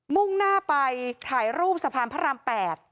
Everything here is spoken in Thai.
มุ่งหน้าไปถ่ายรูปสะพานพระราม๘